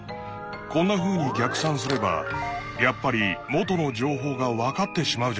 こんなふうに逆算すればやっぱり「元の情報」がわかってしまうじゃないか！